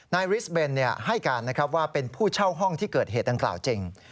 นายริสเบนให้การนะครับว่าเป็นผู้เช่าห้องที่เกิดเหตุดังกล่าวจริง